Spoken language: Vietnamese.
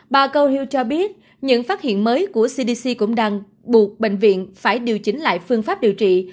bà conhil cho biết những phát hiện mới của cdc cũng đang buộc bệnh viện phải điều chỉnh lại phương pháp điều trị